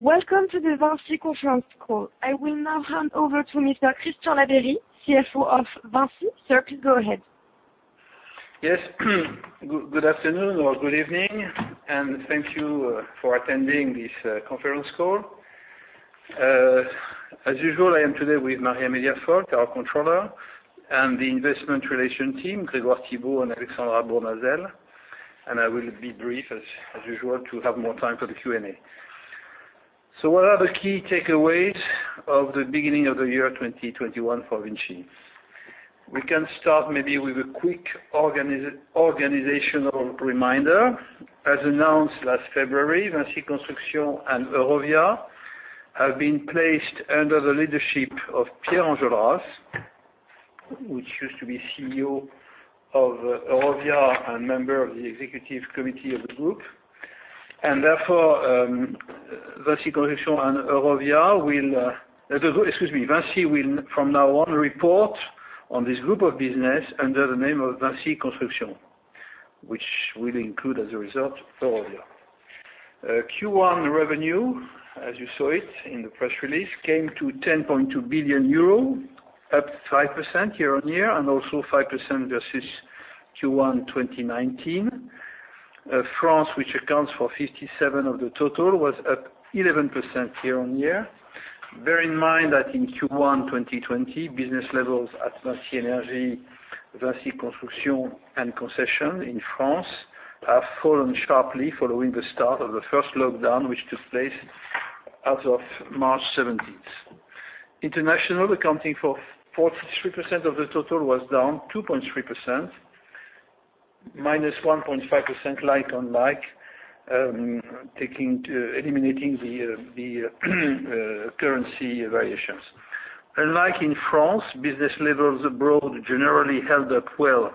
Welcome to the VINCI Conference Call. I will now hand over to Mr. Christian Labeyrie, CFO of VINCI. Sir, please go ahead. Yes. Good afternoon or good evening, and thank you for attending this conference call. As usual, I am today with Marie-Amélia Folch, our Controller, and the Investor Relations team, Grégoire Thibault and Alexandra Bournazel, and I will be brief as usual to have more time for the Q&A. What are the key takeaways of the beginning of the year 2021 for VINCI? We can start maybe with a quick organizational reminder. As announced last February, VINCI Construction and Eurovia have been placed under the leadership of Pierre Anjolras, which used to be CEO of Eurovia and Member of the Executive Committee of the group. Therefore, VINCI will from now on report on this group of business under the name of VINCI Construction, which will include, as a result, Eurovia. Q1 revenue, as you saw it in the press release, came to 10.2 billion euro, up 5% year-on-year, and also 5% versus Q1 2019. France, which accounts for 57% of the total, was up 11% year-on-year. Bear in mind that in Q1 2020, business levels at VINCI Energies, VINCI Construction, and VINCI Concessions in France have fallen sharply following the start of the first lockdown, which took place as of March 17th. International, accounting for 43% of the total, was down 2.3%, -1.5% like-on-like, eliminating the currency variations. Unlike in France, business levels abroad generally held up well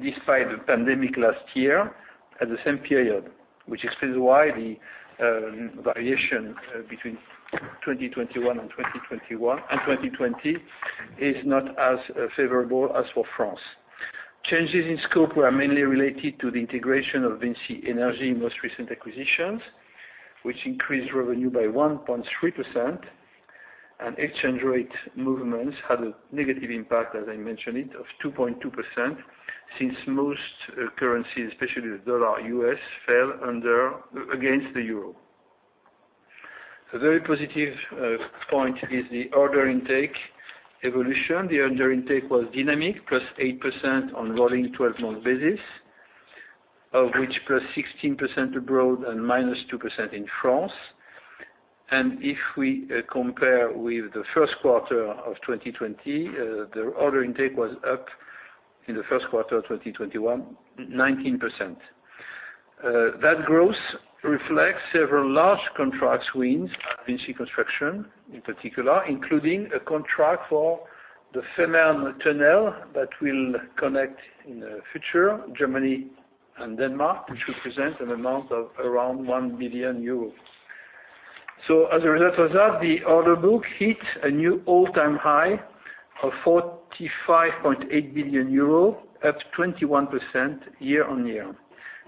despite the pandemic last year at the same period, which explains why the variation between 2021 and 2020 is not as favorable as for France. Changes in scope were mainly related to the integration of VINCI Energies most recent acquisitions, which increased revenue by 1.3%, and exchange rate movements had a negative impact, as I mentioned it, of 2.2% since most currencies, especially the U.S. dollar, fell against the euro. A very positive point is the order intake evolution. The order intake was dynamic, +8% on rolling 12-month basis, of which +16% abroad and -2% in France. If we compare with the first quarter of 2020, the order intake was up in the first quarter of 2021, 19%. That growth reflects several large contracts wins at VINCI Construction in particular, including a contract for the Fehmarn tunnel that will connect in the future Germany and Denmark, which represents an amount of around 1 billion euros. As a result of that, the order book hit a new all-time high of 45.8 billion euros, up 21% year-over-year,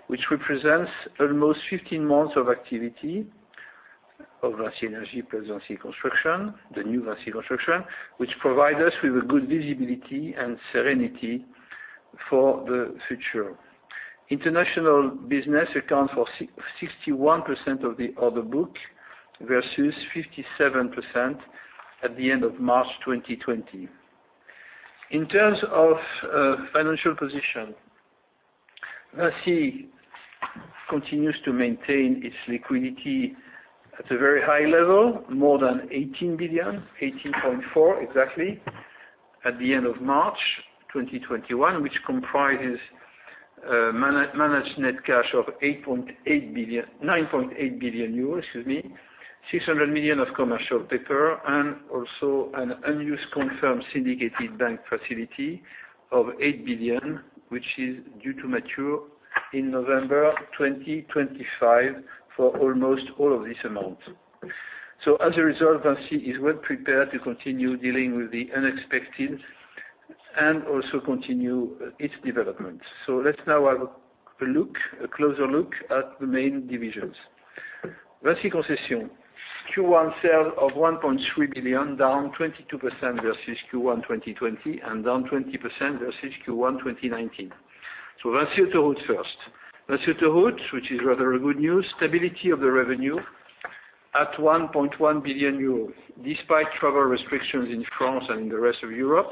which represents almost 15 months of activity of VINCI Energies plus VINCI Construction, the new VINCI Construction, which provide us with a good visibility and serenity for the future. International business accounts for 61% of the order book versus 57% at the end of March 2020. In terms of financial position, VINCI continues to maintain its liquidity at a very high level, more than 18 billion, 18.4 exactly at the end of March 2021, which comprises managed net cash of 9.8 billion euros, 600 million of commercial paper, and also an unused confirmed syndicated bank facility of 8 billion, which is due to mature in November 2025 for almost all of this amount. As a result, VINCI is well prepared to continue dealing with the unexpected and also continue its development. Let's now have a closer look at the main divisions. VINCI Concessions, Q1 sales of 1.3 billion, down 22% versus Q1 2020 and down 20% versus Q1 2019. VINCI Autoroutes first. VINCI Autoroutes, which is rather a good news, stability of the revenue at 1.1 billion euros. Despite travel restrictions in France and in the rest of Europe,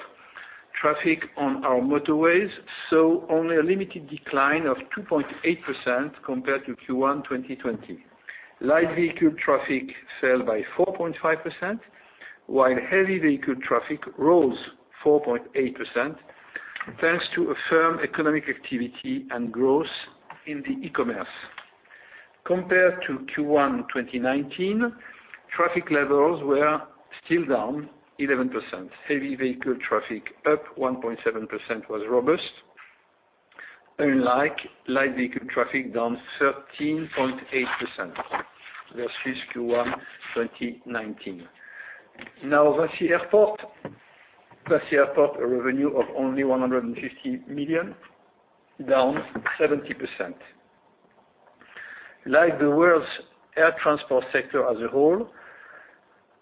traffic on our motorways saw only a limited decline of 2.8% compared to Q1 2020. Light vehicle traffic fell by 4.5%, while heavy vehicle traffic rose 4.8%, thanks to a firm economic activity and growth in the e-commerce. Compared to Q1 2019, traffic levels were still down 11%. Heavy vehicle traffic up 1.7% was robust, unlike light vehicle traffic down 13.8% versus Q1 2019. Now, VINCI Airports. VINCI Airports revenue of only 150 million, down 70%. Like the world's air transport sector as a whole,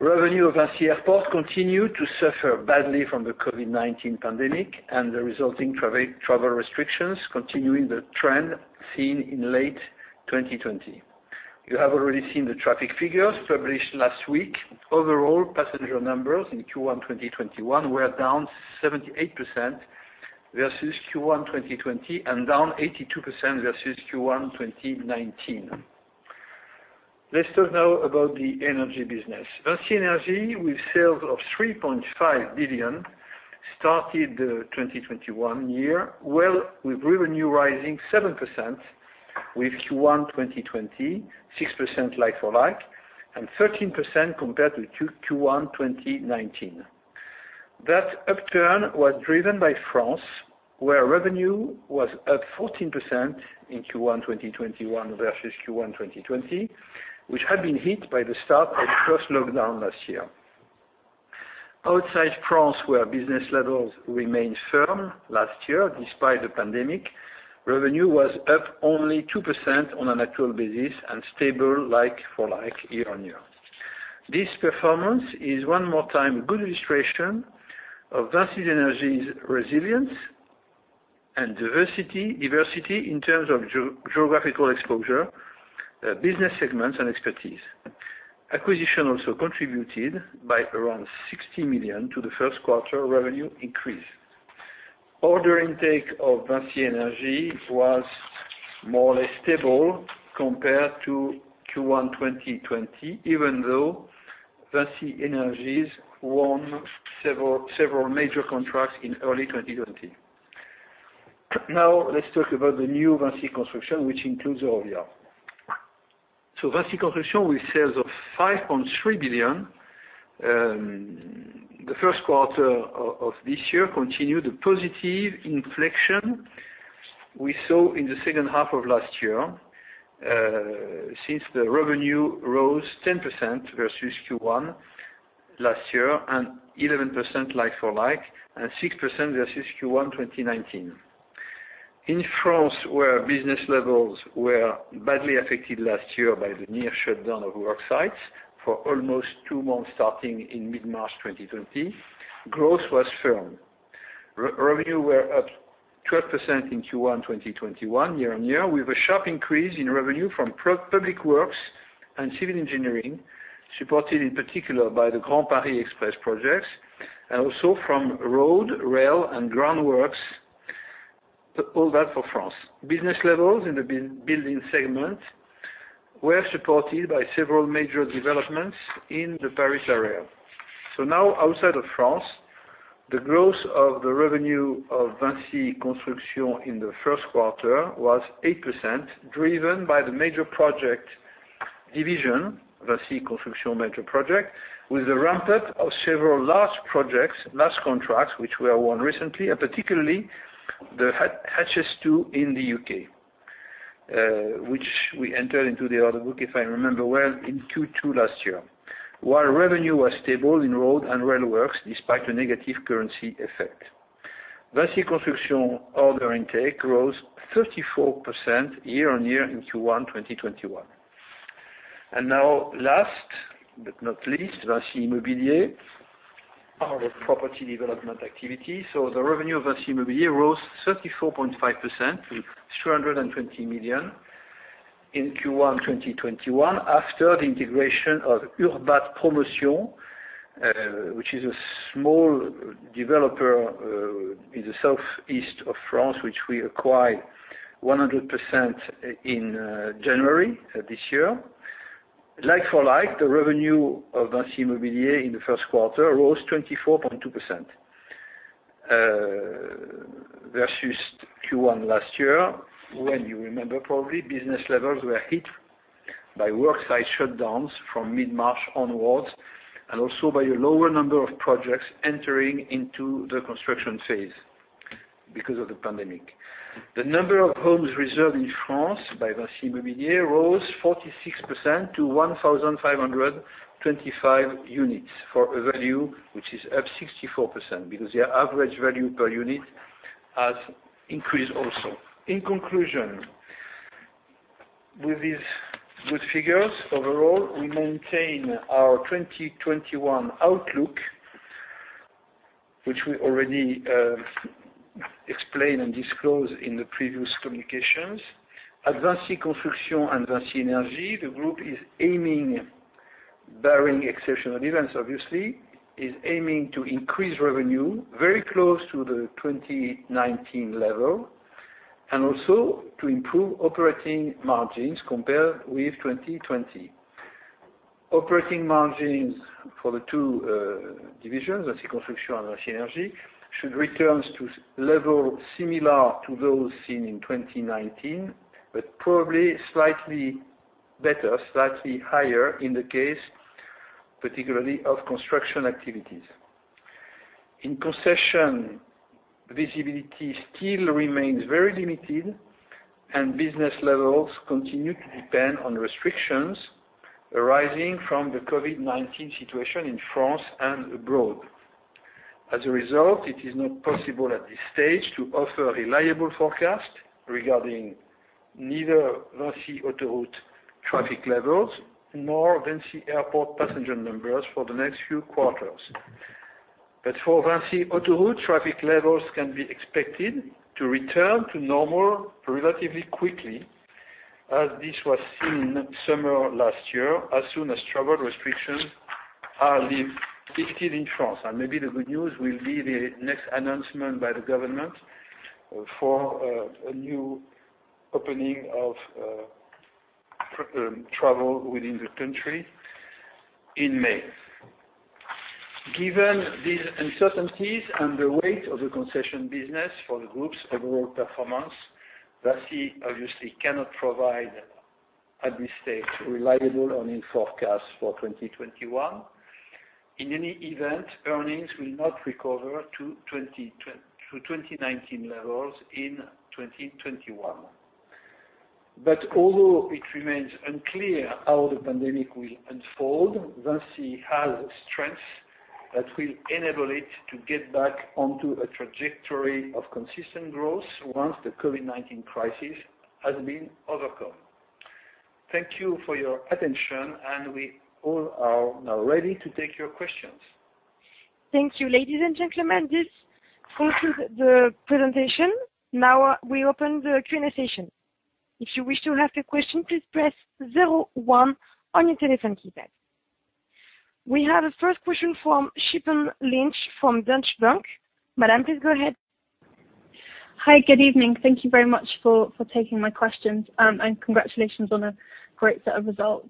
revenue of VINCI Airports continue to suffer badly from the COVID-19 pandemic and the resulting travel restrictions, continuing the trend seen in late 2020. You have already seen the traffic figures published last week. Overall, passenger numbers in Q1 2021 were down 78% versus Q1 2020, and down 82% versus Q1 2019. Let's talk now about the energy business. VINCI Energies, with sales of 3.5 billion, started the 2021 year with revenue rising 7% with Q1 2020, 6% like-for-like, and 13% compared to Q1 2019. That upturn was driven by France, where revenue was up 14% in Q1 2021 versus Q1 2020, which had been hit by the start of first lockdown last year. Outside France, where business levels remained firm last year despite the pandemic, revenue was up only 2% on an actual basis and stable like for like year-on-year. This performance is, one more time, good illustration of VINCI Energies' resilience and diversity in terms of geographical exposure, business segments, and expertise. Acquisition also contributed by around 60 million to the first quarter revenue increase. Order intake of VINCI Energies was more or less stable compared to Q1 2020, even though VINCI Energies won several major contracts in early 2020. Let's talk about the new VINCI Construction, which includes Eurovia. VINCI Construction, with sales of 5.3 billion, the first quarter of this year continued the positive inflection we saw in the second half of last year, since the revenue rose 10% versus Q1 last year, and 11% like for like, and 6% versus Q1 2019. In France, where business levels were badly affected last year by the near shutdown of work sites for almost two months starting in mid-March 2020, growth was firm. Revenue were up 12% in Q1 2021 year-on-year, with a sharp increase in revenue from public works and civil engineering, supported in particular by the Grand Paris Express projects, and also from road, rail, and ground works. All that for France. Business levels in the building segment were supported by several major developments in the Paris area. Now, outside of France, the growth of the revenue of VINCI Construction in the first quarter was 8%, driven by the major project division, VINCI Construction Grands Projets, with the ramp-up of several large contracts which were won recently, and particularly the HS2 in the U.K., which we entered into the order book, if I remember well, in Q2 last year. While revenue was stable in road and rail works, despite a negative currency effect. VINCI Construction order intake rose 34% year-on-year in Q1 2021. Now last but not least, VINCI Immobilier, our property development activity. The revenue of VINCI Immobilier rose 34.5% with 320 million in Q1 2021 after the integration of Urbat Promotion, which is a small developer in the southeast of France, which we acquired 100% in January this year. Like for like, the revenue of VINCI Immobilier in the first quarter rose 24.2% versus Q1 last year, when you remember, probably, business levels were hit by worksite shutdowns from mid-March onwards, and also by a lower number of projects entering into the construction phase because of the pandemic. The number of homes reserved in France by VINCI Immobilier rose 46% to 1,525 units for a value which is up 64%, because their average value per unit has increased also. In conclusion, with these good figures, overall, we maintain our 2021 outlook, which we already explained and disclosed in the previous communications. At VINCI Construction and VINCI Energies, the group is aiming, barring exceptional events, obviously, is aiming to increase revenue very close to the 2019 level, and also to improve operating margins compared with 2020. Operating margins for the two divisions, VINCI Construction and VINCI Energies, should return to level similar to those seen in 2019, but probably slightly better, slightly higher in the case, particularly of construction activities. In concession, visibility still remains very limited, and business levels continue to depend on restrictions arising from the COVID-19 situation in France and abroad. As a result, it is not possible at this stage to offer reliable forecast regarding neither VINCI Autoroutes traffic levels, nor VINCI Airports passenger numbers for the next few quarters. For VINCI Autoroutes, traffic levels can be expected to return to normal relatively quickly, as this was seen summer last year, as soon as travel restrictions are lifted in France. Maybe the good news will be the next announcement by the government for a new opening of travel within the country in May. Given these uncertainties and the weight of the concession business for the group's overall performance, VINCI obviously cannot provide, at this stage, reliable earnings forecast for 2021. In any event, earnings will not recover to 2019 levels in 2021. Although it remains unclear how the pandemic will unfold, VINCI has strengths that will enable it to get back onto a trajectory of consistent growth once the COVID-19 crisis has been overcome. Thank you for your attention, and we all are now ready to take your questions. Thank you, ladies and gentlemen. This concludes the presentation. We open the Q&A session. If you wish to ask a question, please press zero one on your telephone keypad. We have a first question from Siobhan Lynch from Deutsche Bank. Madam, please go ahead. Hi. Good evening. Thank you very much for taking my questions, and congratulations on a great set of results.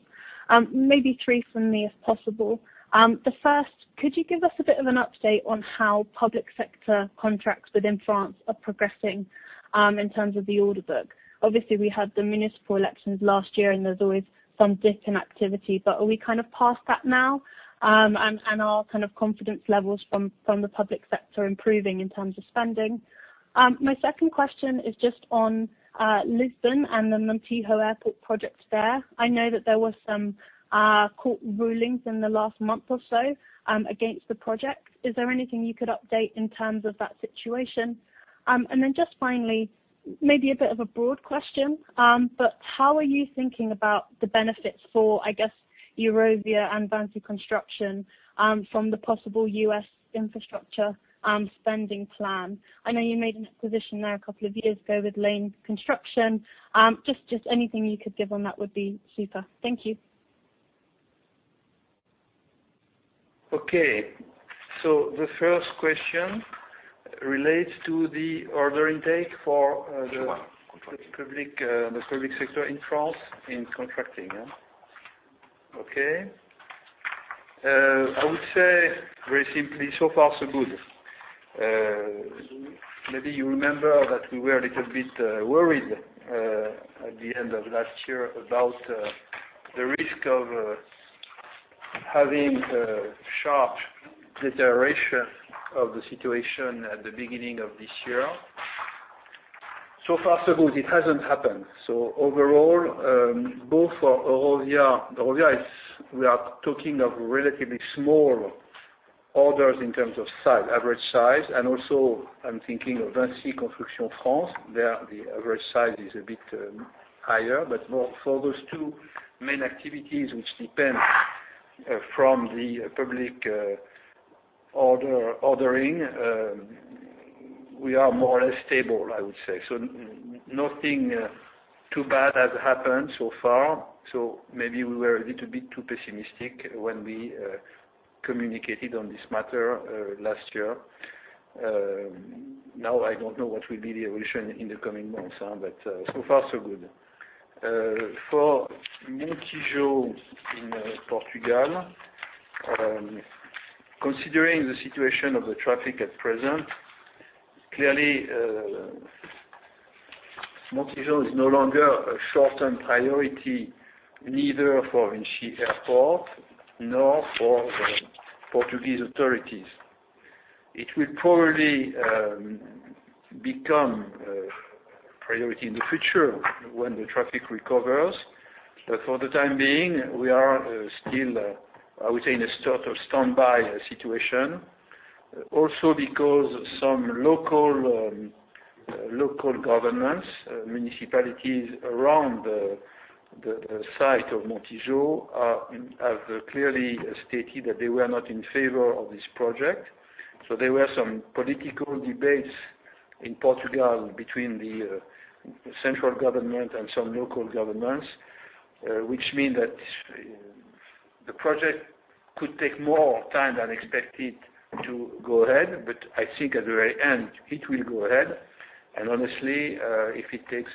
Maybe three from me, if possible. The first, could you give us a bit of an update on how public sector contracts within France are progressing in terms of the order book? Obviously, we had the municipal elections last year, and there's always some dip in activity, but are we past that now, and are confidence levels from the public sector improving in terms of spending? My second question is just on Lisbon and the Montijo Airport project there. I know that there were some court rulings in the last month or so against the project. Is there anything you could update in terms of that situation? Just finally, maybe a bit of a broad question, but how are you thinking about the benefits for, I guess, Eurovia and VINCI Construction from the possible U.S. infrastructure spending plan? I know you made an acquisition there a couple of years ago with Lane Construction. Just anything you could give on that would be super. Thank you. Okay. The first question relates to the order intake for the public sector in France in contracting. Okay. I would say very simply, so far, so good. Maybe you remember that we were a little bit worried at the end of last year about the risk of having a sharp deterioration of the situation at the beginning of this year. So far, so good. It hasn't happened. Overall, both for Eurovia, we are talking of relatively small orders in terms of average size, and also I'm thinking of VINCI Construction France. There, the average size is a bit higher. For those two main activities, which depend from the public ordering, we are more or less stable, I would say. Nothing too bad has happened so far. Maybe we were a little bit too pessimistic when we communicated on this matter last year. Now, I don't know what will be the evolution in the coming months. So far, so good. For Montijo in Portugal, considering the situation of the traffic at present, clearly Montijo is no longer a short-term priority, neither for VINCI Airports nor for the Portuguese authorities. It will probably become a priority in the future when the traffic recovers. For the time being, we are still, I would say, in a sort of standby situation. Also because some local governments, municipalities around the site of Montijo, have clearly stated that they were not in favor of this project. There were some political debates in Portugal between the central government and some local governments, which mean that the project could take more time than expected to go ahead, but I think at the very end, it will go ahead. Honestly, if it takes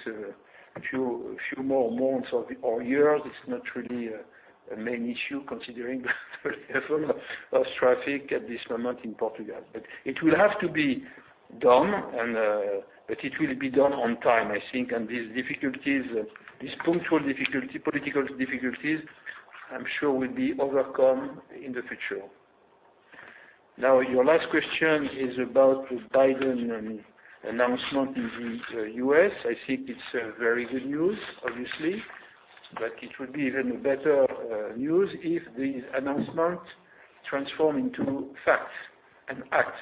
a few more months or years, it's not really a main issue considering the level of traffic at this moment in Portugal. It will have to be done, but it will be done on time, I think. These punctual political difficulties I'm sure will be overcome in the future. Your last question is about the Biden announcement in the U.S. I think it's very good news, obviously, but it would be even better news if the announcement transform into facts and acts.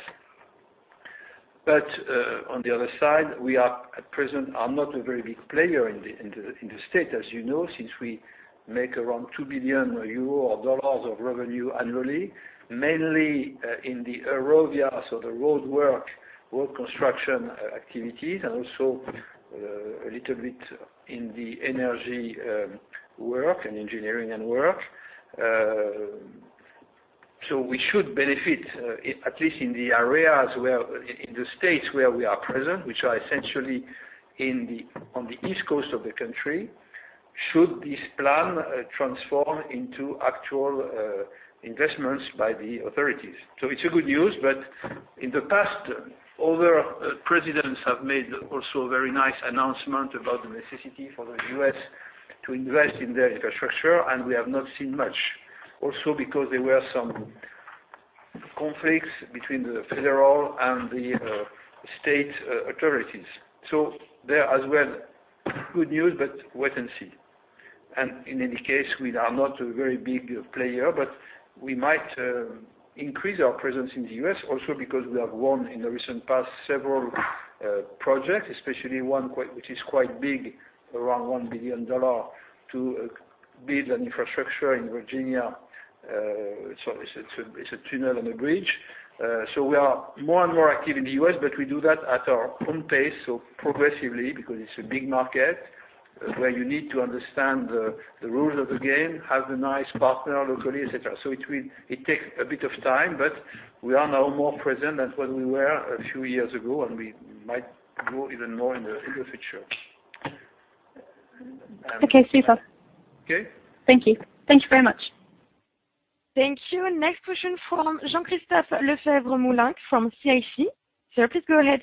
On the other side, we are at present not a very big player in the States, as you know, since we make around 2 billion euro or dollar of revenue annually, mainly in the Eurovia, so the roadwork, road construction activities, and also a little bit in the energy work and engineering work. We should benefit, at least in the states where we are present, which are essentially on the East Coast of the country, should this plan transform into actual investments by the authorities. It's a good news, but in the past, other presidents have made also very nice announcement about the necessity for the U.S. to invest in their infrastructure, and we have not seen much. Because there were some conflicts between the federal and the state authorities. There as well, good news, but wait and see. In any case, we are not a very big player, but we might increase our presence in the U.S. also because we have won in the recent past, several projects, especially one which is quite big, around EUR 1 billion, to build an infrastructure in Virginia. It's a tunnel and a bridge. We are more and more active in the U.S., but we do that at our own pace, so progressively, because it's a big market where you need to understand the rules of the game, have the nice partner locally, et cetera. It takes a bit of time, but we are now more present than what we were a few years ago, and we might grow even more in the future. Thank you very much. Thank you. Next question from Jean-Christophe Lefèvre-Moulenq from CIC. Sir, please go ahead.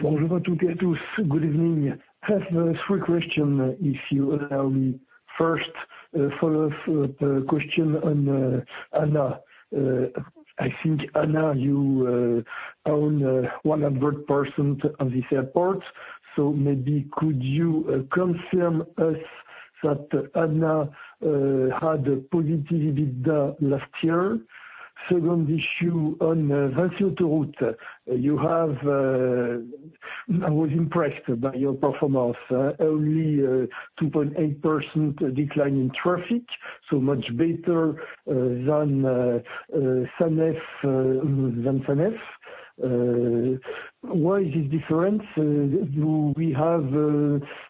Good evening. I have three question, if you allow me. First, follow-up question on ANA. I think ANA, you own 100% of this airport. Maybe could you confirm us that ANA had a positive EBITDA last year? Second issue on VINCI Autoroutes. I was impressed by your performance. Only 2.8% decline in traffic, so much better than Sanef. Why is this difference? Do we have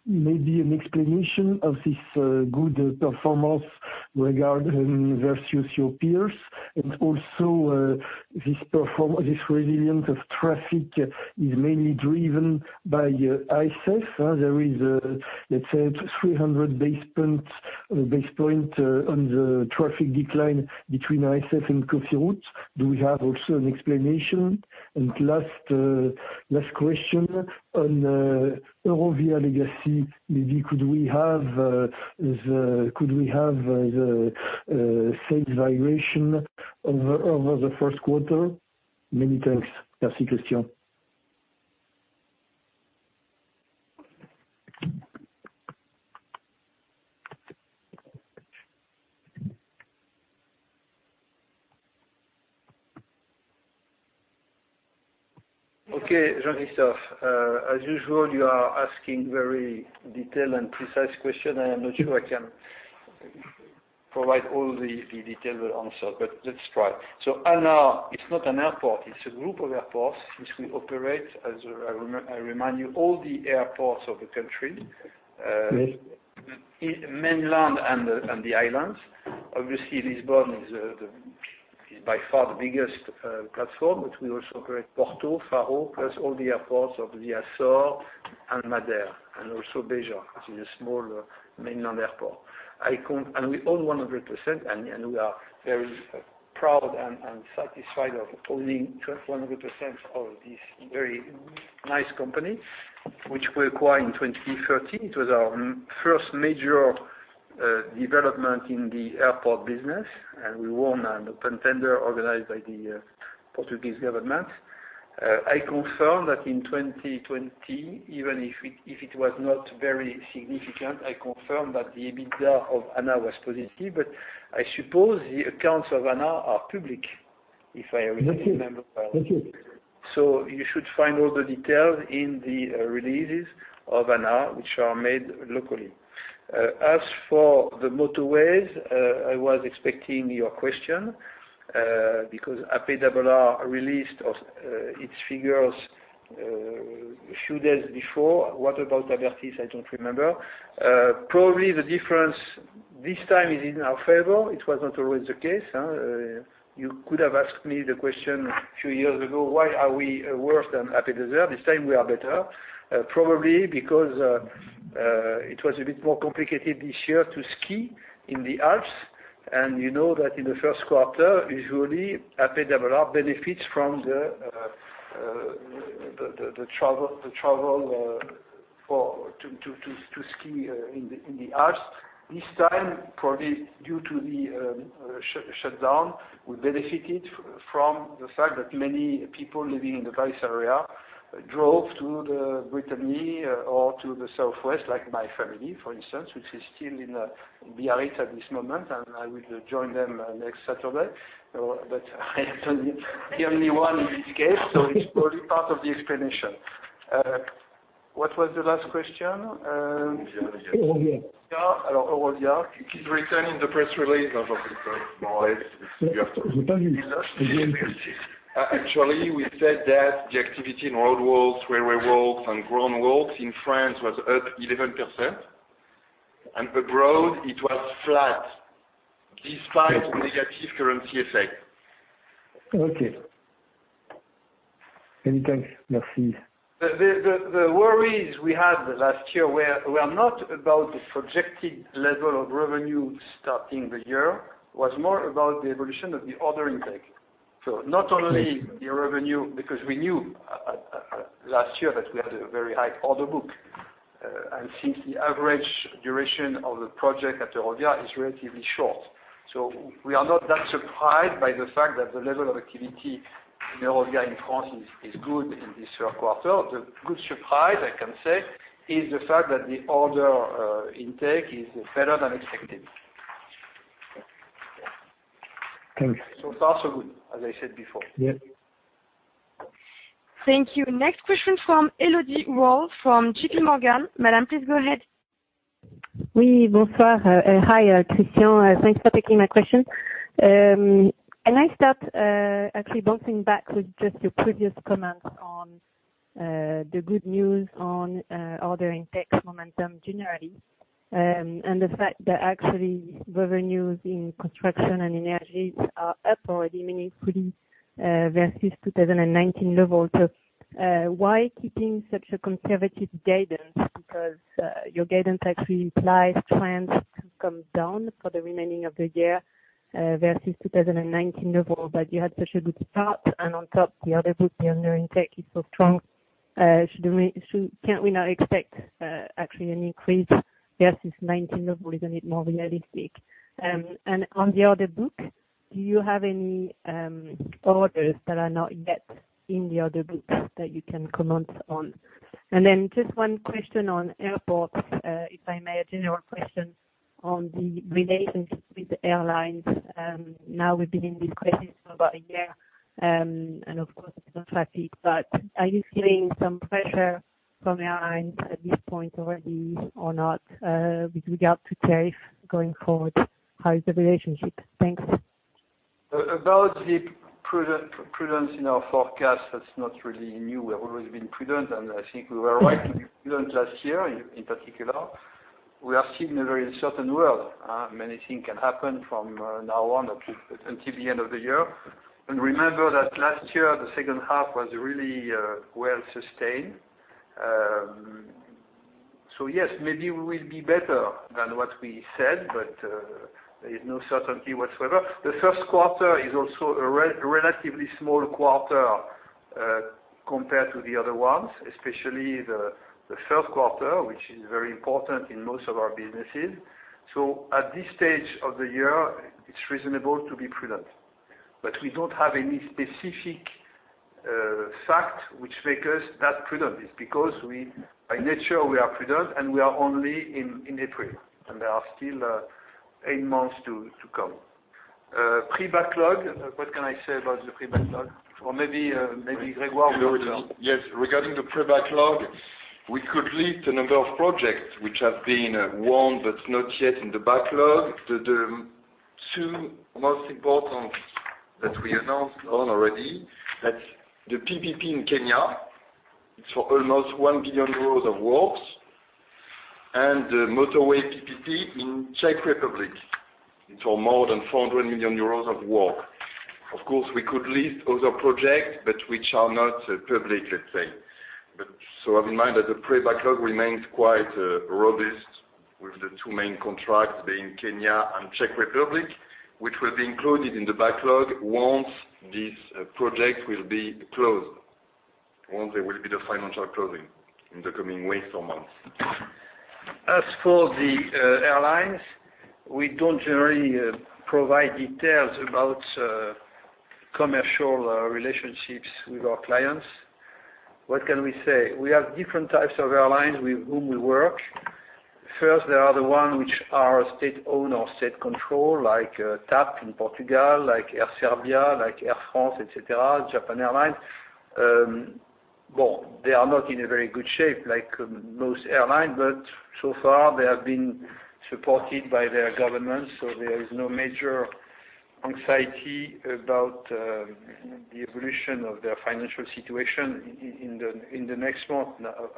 maybe an explanation of this good performance regarding versus your peers? Also, this resilience of traffic is mainly driven by ASF. There is, let's say, 300 basis points on the traffic decline between ASF and Cofiroute. Do we have also an explanation? Last question on Eurovia Legacy. Maybe could we have the sales variation over the first quarter? Many thanks. Okay, Jean-Christophe. As usual, you are asking very detailed and precise question. I am not sure I can provide all the detailed answer, but let's try. ANA, it's not an airport, it's a group of airports which we operate, as I remind you, all the airports of the country mainland and the islands. Obviously, Lisbon is by far the biggest platform, but we also operate Porto, Faro, plus all the airports of the Azores and Madeira, and also Beja, which is a small mainland airport. We own 100%, and we are very proud and satisfied of owning 100% of this very nice company, which we acquired in 2013. It was our first major development in the airport business, and we won an open tender organized by the Portuguese government. I confirm that in 2020, even if it was not very significant, I confirm that the EBITDA of ANA was positive. I suppose the accounts of ANA are public, if I remember well. You should find all the details in the releases of ANA, which are made locally. As for the motorways, I was expecting your question, because APRR released its figures a few days before. What about Abertis, I don't remember. Probably the difference this time is in our favor. It was not always the case. You could have asked me the question a few years ago, "Why are we worse than APRR?" This time we are better. Probably because it was a bit more complicated this year to ski in the Alps. You know that in the first quarter, usually APRR benefits from the travel to ski in the Alps. This time, probably due to the shutdown, we benefited from the fact that many people living in the Paris area drove to Brittany or to the southwest, like my family, for instance, which is still in Biarritz at this moment, and I will join them next Saturday. I am the only one in this case, so it's probably part of the explanation. It is written in the press release. Actually, we said that the activity in road works, railway works, and ground works in France was up 11%, and abroad it was flat despite negative currency effect. The worries we had last year were not about the projected level of revenue starting the year, was more about the evolution of the order intake. Not only the revenue, because we knew last year that we had a very high order book. Since the average duration of the project at Eurovia is relatively short. We are not that surprised by the fact that the level of activity in Eurovia in France is good in this first quarter. The good surprise, I can say, is the fact that the order intake is better than expected. Thank you. Thank you. Next question from Elodie Rall from JPMorgan. Madam, please go ahead. Hi, Christian. Thanks for taking my question. Can I start actually bouncing back with just your previous comments on the good news on order intake momentum generally, and the fact that actually revenues in VINCI Construction and VINCI Energies are up already meaningfully, versus 2019 level. Why keeping such a conservative guidance? Because your guidance actually implies trends to come down for the remaining of the year, versus 2019 level. You had such a good start, and on top, the order book, the order intake is so strong. Can we not expect actually an increase versus 2019 level? Isn't it more realistic? On the order book, do you have any orders that are not yet in the order book that you can comment on? Just one question on VINCI Airports, if I may, a general question on the relationship with the airlines. We've been in this crisis for about a year. Of course, there's no traffic, but are you feeling some pressure from airlines at this point already or not, with regard to tariff going forward? How is the relationship? Thanks. About the prudence in our forecast, that's not really new. We have always been prudent, and I think we were right to be prudent last year in particular. We are still in a very uncertain world. Many things can happen from now on until the end of the year. Remember that last year, the second half was really well-sustained. Yes, maybe we will be better than what we said, but there is no certainty whatsoever. The first quarter is also a relatively small quarter compared to the other ones, especially the third quarter, which is very important in most of our businesses. At this stage of the year, it's reasonable to be prudent. We don't have any specific fact which make us that prudent. It's because by nature, we are prudent, and we are only in April, and there are still eight months to come. Pre-backlog, what can I say about the pre-backlog? Maybe Grégoire will tell. Yes. Regarding the pre-backlog, we could list a number of projects which have been won but not yet in the backlog. The two most important that we announced on already, that's the PPP in Kenya. It's for almost 1 billion euros of works, and the motorway PPP in Czech Republic. It's for more than 400 million euros of work. Of course, we could list other projects, but which are not public, let's say. Have in mind that the pre-backlog remains quite robust with the two main contracts, being Kenya and Czech Republic, which will be included in the backlog once these projects will be closed. Once there will be the financial closing in the coming weeks or months. As for the airlines, we don't generally provide details about commercial relationships with our clients. What can we say? We have different types of airlines with whom we work. First, there are the ones which are state-owned or state-controlled, like TAP in Portugal, like Air Serbia, like Air France, et cetera, Japan Airlines. So far they have been supported by their government, there is no major anxiety about the evolution of their financial situation in the next month.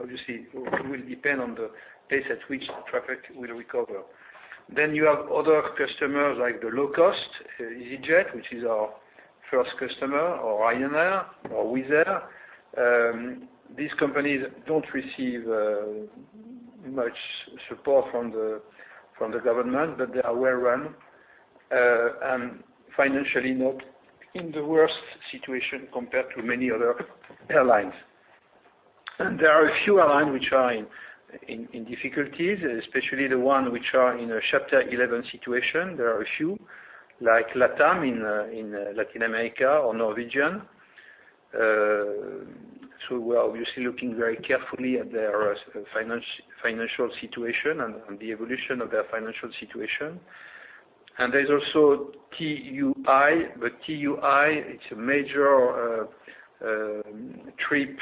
Obviously, it will depend on the pace at which traffic will recover. You have other customers, like the low-cost, easyJet, which is our first customer, or Ryanair or Wizz Air. These companies don't receive much support from the government, they are well-run, financially not in the worst situation compared to many other airlines. There are a few airlines which are in difficulties, especially the ones which are in a Chapter 11 situation. There are a few, like LATAM in Latin America or Norwegian. We are obviously looking very carefully at their financial situation and the evolution of their financial situation. There's also TUI, but TUI, it's a major trip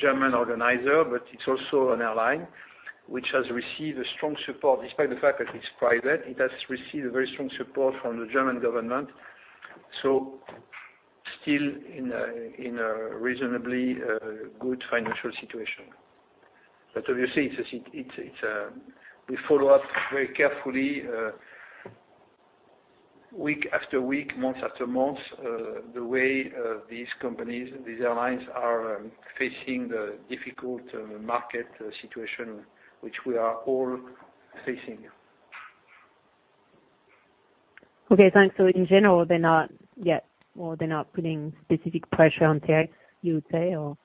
German organizer, but it's also an airline which has received a strong support. Despite the fact that it's private, it has received a very strong support from the German government. Still in a reasonably good financial situation. Obviously, we follow up very carefully, week after week, month after month, the way these companies, these airlines, are facing the difficult market situation, which we are all facing. Okay, thanks. In general, they're not yet, or they're not putting specific pressure on tariffs, you would say, or?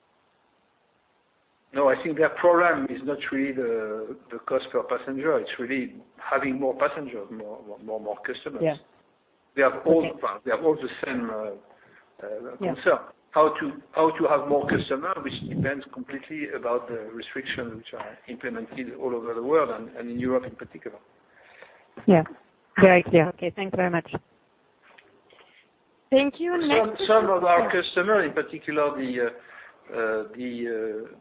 No, I think their program is not really the cost per passenger. It's really having more passengers, more customers. They have all the same concern, how to have more customer, which depends completely about the restrictions which are implemented all over the world and in Europe in particular. Some of our customers, in particular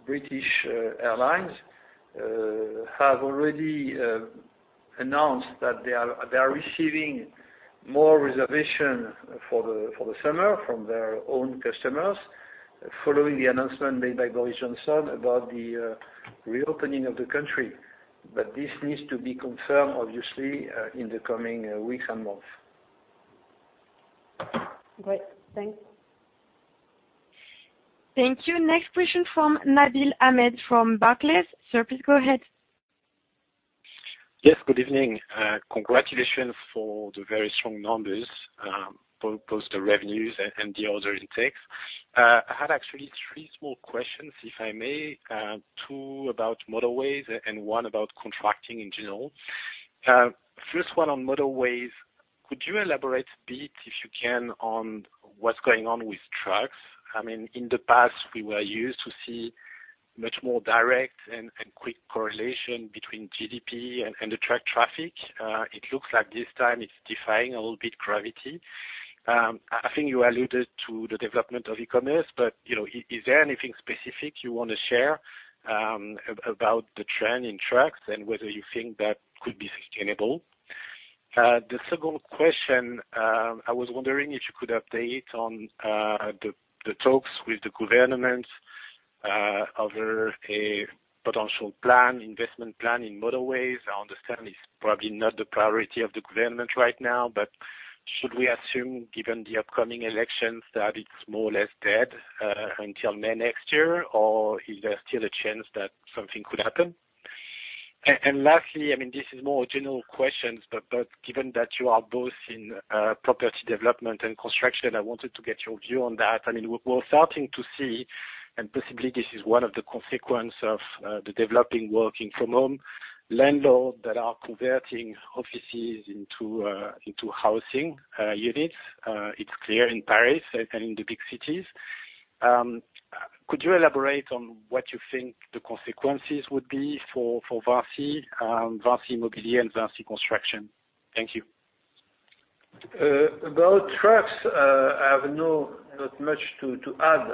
British Airways, have already announced that they are receiving more reservation for the summer from their own customers, following the announcement made by Boris Johnson about the reopening of the country. This needs to be confirmed, obviously, in the coming weeks and months. Great. Thanks. Thank you. Next question from Nabil Ahmed from Barclays. Sir, please go ahead. Yes, good evening. Congratulations for the very strong numbers, both the revenues and the order intakes. I had actually three small questions, if I may, two about motorways and one about contracting in general. First one on motorways, could you elaborate a bit, if you can, on what's going on with trucks? In the past, we were used to see much more direct and quick correlation between GDP and the truck traffic. It looks like this time it's defying, a little bit, gravity. I think you alluded to the development of e-commerce. Is there anything specific you want to share about the trend in trucks and whether you think that could be sustainable? The second question, I was wondering if you could update on the talks with the government, are there a potential plan, investment plan in motorways? I understand it's probably not the priority of the government right now, but should we assume, given the upcoming elections, that it's more or less dead, until May next year? Or is there still a chance that something could happen? Lastly, this is more a general question, but given that you are both in property development and construction, I wanted to get your view on that. We're starting to see, and possibly this is one of the consequences of the developing working from home, landlords that are converting offices into housing units. It's clear in Paris and in the big cities. Could you elaborate on what you think the consequences would be for VINCI Immobilier and VINCI Construction? Thank you. About trucks, I have not much to add,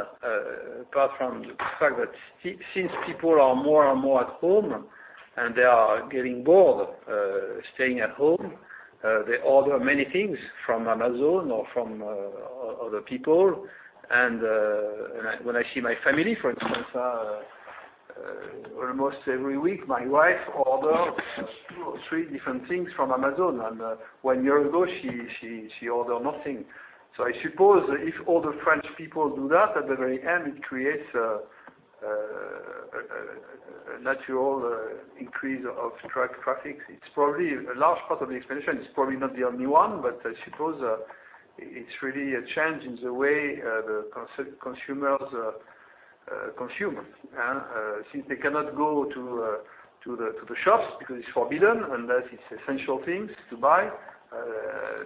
apart from the fact that since people are more and more at home and they are getting bored staying at home, they order many things from Amazon or from other people. When I see my family, for instance, almost every week, my wife order two or three different things from Amazon, and one year ago, she order nothing. I suppose if all the French people do that, at the very end, it creates a natural increase of truck traffic. A large part of the explanation, it's probably not the only one, but I suppose it's really a change in the way the consumers consume. Since they cannot go to the shops because it's forbidden, unless it's essential things to buy,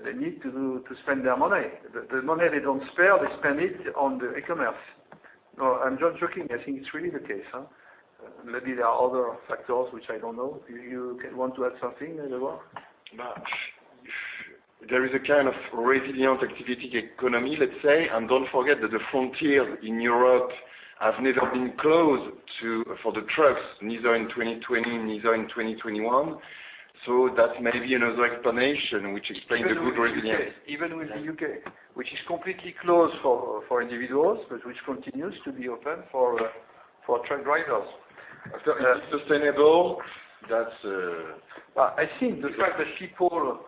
they need to spend their money. The money they don't spare, they spend it on the e-commerce. No, I'm not joking, I think it's really the case. Maybe there are other factors which I don't know. You want to add something, Grégoire? There is a kind of resilient activity economy, let's say. Don't forget that the frontiers in Europe have never been closed for the trucks, neither in 2020, neither in 2021. That may be another explanation which explain the good resilience. Even with the U.K., which is completely closed for individuals, but which continues to be open for truck drivers. Is it sustainable? I think the fact that people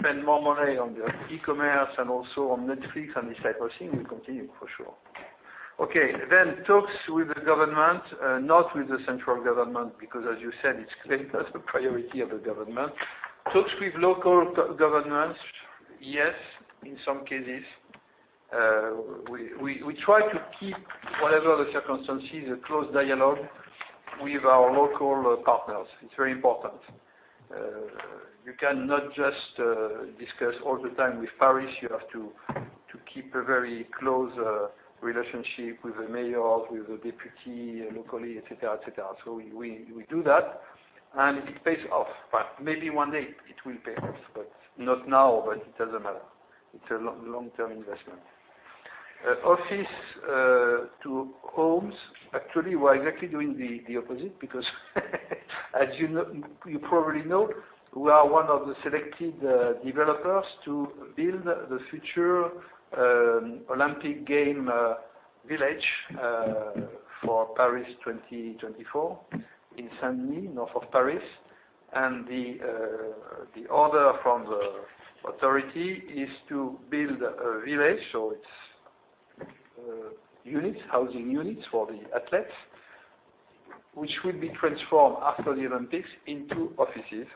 spend more money on their e-commerce and also on Netflix and this type of thing will continue, for sure. Okay, talks with the government, not with the central government because as you said, it's clear that's the priority of the government. Talks with local governments, yes, in some cases. We try to keep, whatever the circumstances, a close dialogue with our local partners. It's very important. You cannot just discuss all the time with Paris. You have to keep a very close relationship with the mayors, with the deputy locally, et cetera. We do that, and it pays off. Maybe one day it will pay off, but not now, but it doesn't matter. It's a long-term investment. Office to homes, actually, we're exactly doing the opposite because as you probably know, we are one of the selected developers to build the future Olympic Games village for Paris 2024 in Saint-Denis, north of Paris. The order from the authority is to build a village, so it's housing units for the athletes, which will be transformed after the Olympics into offices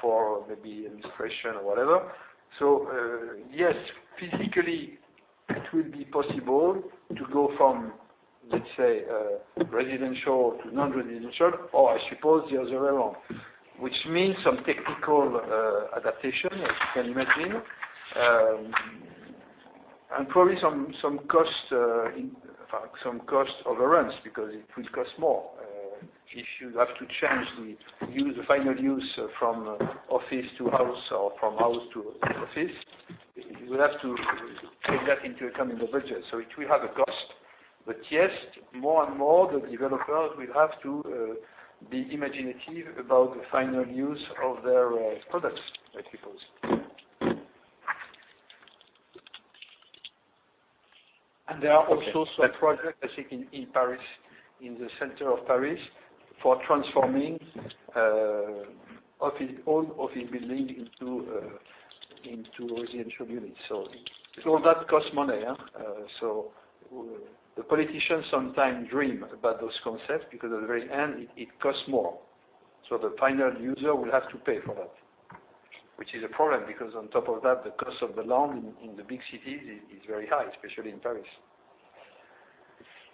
for maybe administration or whatever. Yes, physically it will be possible to go from, let's say, residential to non-residential or I suppose the other way around, which means some technical adaptation, as you can imagine. Probably some cost overruns because it will cost more. If you have to change the final use from office to house or from house to office, you will have to take that into account in the budget. It will have a cost. Yes, more and more, the developers will have to be imaginative about the final use of their products, I suppose. There are also some projects, I think, in the center of Paris for transforming old office building into residential units. That costs money. The politicians sometimes dream about those concepts because at the very end, it costs more. The final user will have to pay for that, which is a problem because on top of that, the cost of the land in the big cities is very high, especially in Paris.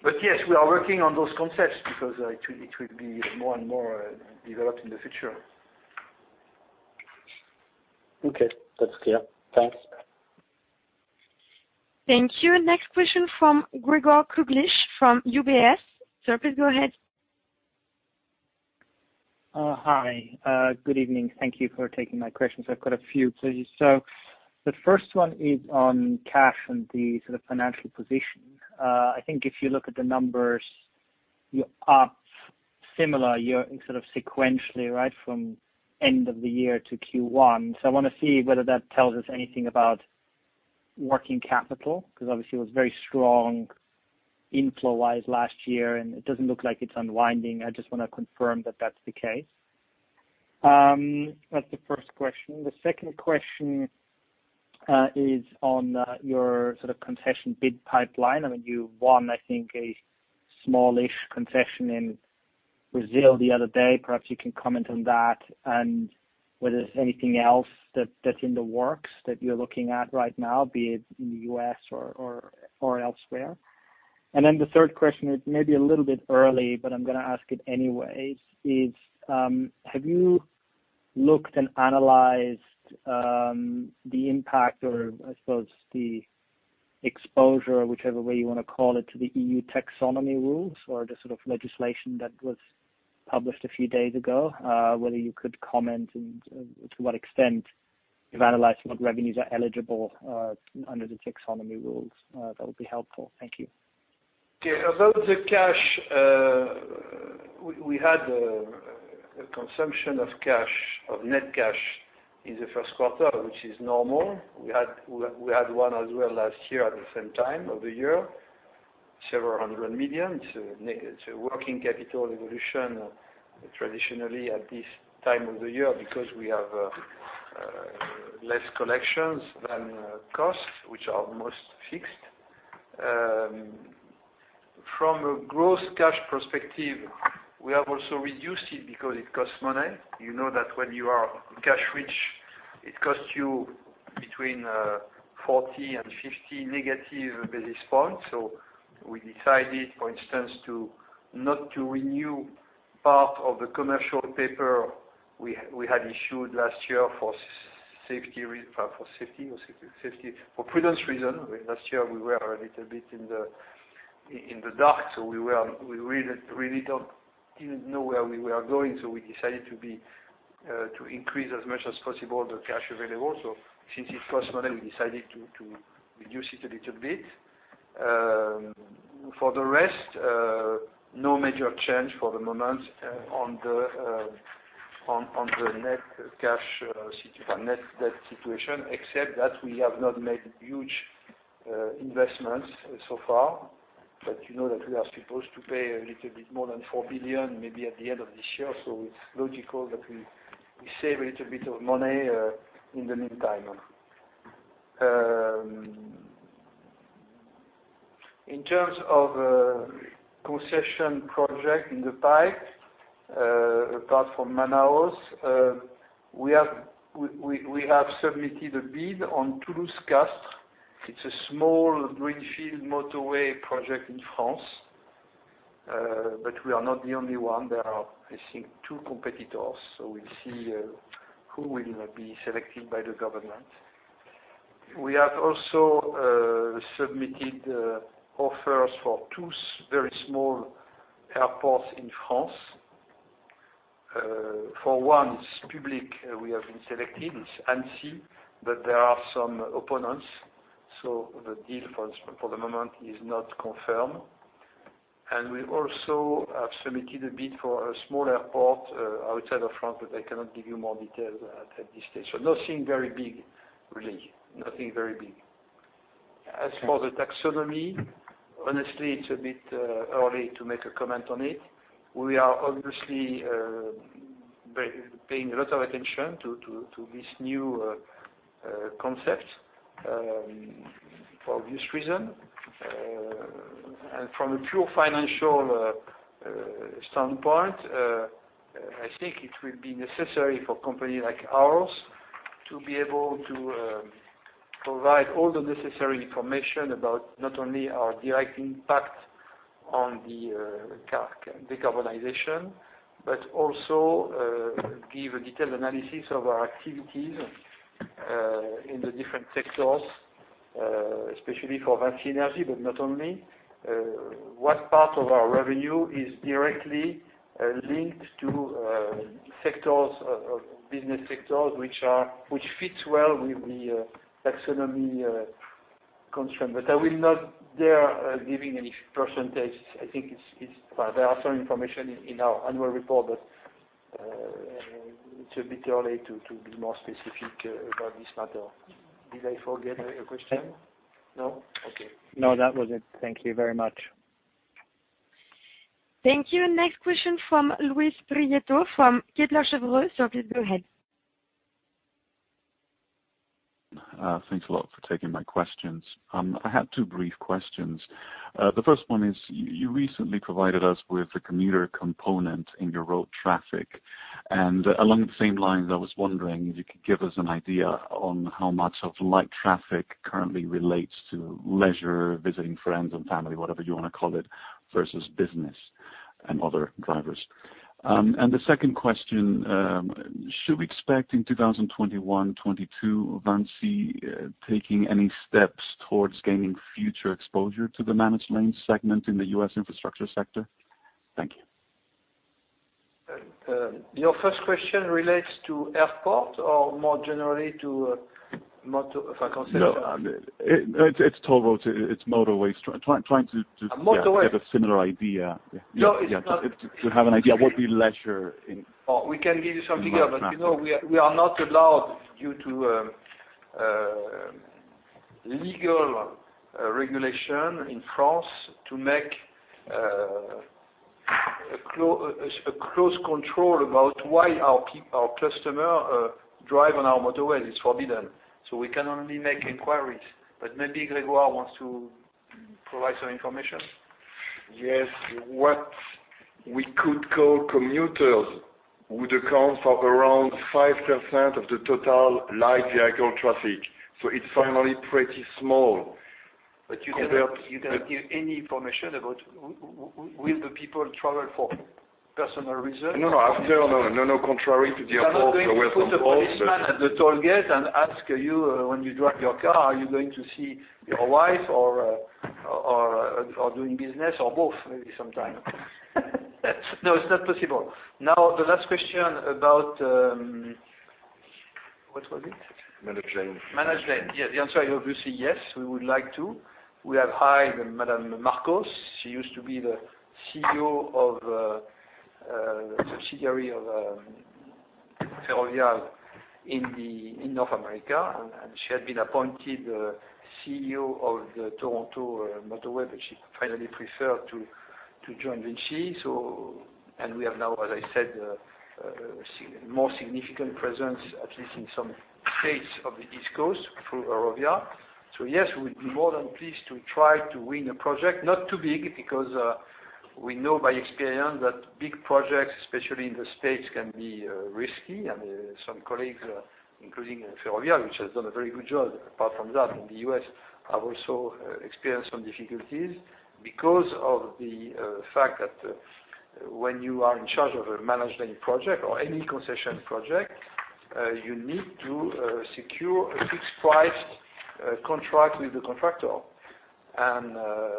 Yes, we are working on those concepts because it will be more and more developed in the future. Okay, that's clear. Thanks. Thank you. Next question from Gregor Kuglitsch from UBS. Sir, please go ahead. Hi. Good evening. Thank you for taking my questions. I've got a few, please. The first one is on cash and the sort of financial position. I think if you look at the numbers, you're up similar, you're sort of sequentially right from end of the year to Q1. I want to see whether that tells us anything about working capital, because obviously it was very strong inflow-wise last year, and it doesn't look like it's unwinding? I just want to confirm that that's the case. That's the first question. The second question is on your sort of concession bid pipeline. I mean, you won, I think, a smallish concession in Brazil the other day. Perhaps you can comment on that and whether there's anything else that's in the works that you're looking at right now, be it in the U.S. or elsewhere? The third question is maybe a little bit early, but I'm going to ask it anyway, is have you looked and analyzed the impact or I suppose the exposure, whichever way you want to call it, to the EU Taxonomy rules or the sort of legislation that was published a few days ago, whether you could comment and to what extent you've analyzed what revenues are eligible under the taxonomy rules? That would be helpful. Thank you. About the cash, we had a consumption of net cash in the first quarter, which is normal. We had one as well last year at the same time of the year, several hundred million EUR. It's a working capital evolution traditionally at this time of the year because we have less collections than costs, which are almost fixed. From a gross cash perspective, we have also reduced it because it costs money. You know that when you are cash rich, it costs you between 40 and 50- basis points. We decided, for instance, not to renew part of the commercial paper we had issued last year for prudence reason. Last year we were a little bit in the dark, so we really didn't know where we were going, so we decided to increase as much as possible the cash available. Since it costs money, we decided to reduce it a little bit. For the rest, no major change for the moment on the net cash situation, except that we have not made huge investments so far, but you know that we are supposed to pay a little bit more than 4 billion, maybe at the end of this year. It's logical that we save a little bit of money in the meantime. In terms of concession project in the pipe, apart from Manaus, we have submitted a bid on Toulouse-Castres. It's a small greenfield motorway project in France. We are not the only one. There are, I think, two competitors. We'll see who will be selected by the government. We have also submitted offers for two very small airports in France. For one, it's public, we have been selected, it's Annecy, but there are some opponents, so the deal for the moment is not confirmed. We also have submitted a bid for a small airport outside of France, but I cannot give you more details at this stage. Nothing very big, really. As for the taxonomy, honestly, it's a bit early to make a comment on it. We are obviously paying a lot of attention to this new concept, for obvious reason. From a pure financial standpoint, I think it will be necessary for companies like ours to be able to provide all the necessary information about not only our direct impact on the decarbonization, but also give a detailed analysis of our activities in the different sectors, especially for VINCI Energies, but not only. What part of our revenue is directly linked to business sectors which fits well with the Taxonomy constraint. I will not dare giving any percentage. There are some information in our annual report, but it's a bit early to be more specific about this matter. Did I forget a question? No, that was it. Thank you very much. Thank you. Next question from Luis Prieto from Kepler Cheuvreux. Please go ahead. Thanks a lot for taking my questions. I have two brief questions. The first one is, you recently provided us with the commuter component in your road traffic. Along the same lines, I was wondering if you could give us an idea on how much of light traffic currently relates to leisure, visiting friends and family, whatever you want to call it, versus business and other drivers? The second question, should we expect in 2021, 2022, VINCI taking any steps towards gaining future exposure to the managed lane segment in the U.S. infrastructure sector? Thank you. Your first question relates to airport or more generally to concession? No. It's toll roads, it's motorways get a similar idea. No, it's not. To have an idea what the leisure in light traffic. We can give you some figure. We are not allowed due to legal regulation in France to make a close control about why our customer drive on our motorway. It's forbidden. We can only make inquiries. Maybe Grégoire wants to provide some information. Yes. What we could call commuters would account for around 5% of the total light vehicle traffic. It's finally pretty small. You cannot give any information about will the people travel for personal reasons? No. Contrary to the airport or welcome calls. We are not going to put a policeman at the toll gate and ask you when you drive your car, are you going to see your wife or doing business or both, maybe sometime. No, it's not possible. Now, the last question about, what was it? Managed lane. Yeah. The answer is obviously yes, we would like to. We have hired Madam Marcos. She used to be the CEO of a subsidiary of Ferrovial in North America, and she had been appointed CEO of the Toronto Motorway. She finally preferred to join VINCI. We have now, as I said, a more significant presence, at least in some states of the East Coast through Ferrovial. Yes, we will be more than pleased to try to win a project. Not too big, because we know by experience that big projects, especially in the U.S., can be risky. Some colleagues, including Ferrovial, which has done a very good job apart from that in the U.S., have also experienced some difficulties because of the fact that when you are in charge of a managed lane project or any concession project, you need to secure a fixed price contract with the contractor.